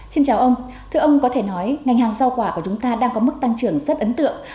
xin chào ông thưa ông có thể nói ngành hàng giao quả của chúng ta đang có mức tăng trưởng rất ấn tượng